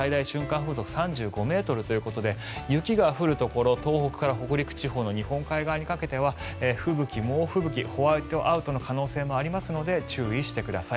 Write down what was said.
風速３５ｍということで雪が降るところ東北から北陸地方の日本海側にかけては吹雪、猛吹雪ホワイトアウトの可能性があるので注意してください。